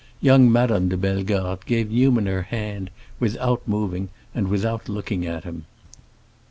Young Madame de Bellegarde gave Newman her hand without moving and without looking at him.